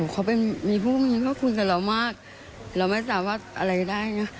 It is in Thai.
เขาเป็นมีผู้มีพระคุณกับเรามากเราไม่สามารถอะไรได้นะ